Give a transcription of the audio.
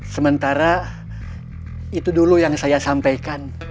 sementara itu dulu yang saya sampaikan